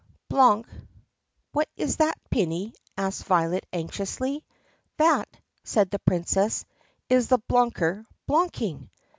BLOONK!" "What is that, Prinny*?" asked Violet anxiously. "That," said the Princess, "is the bloonker bloonking."